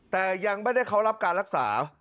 แต่ยังไม่ได้เข้ารับการรักษา